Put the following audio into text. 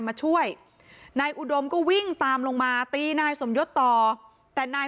มาช่วยนายอุดมก็วิ่งตามลงมาตีนายสมยศต่อแต่นาย